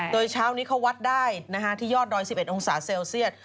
โดยเช้านี้เขาวัดได้ที่ยอดดอย๑๑องศาเซลเซียต